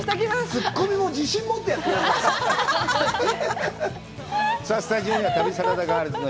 ツッコミも自信持ってやってください。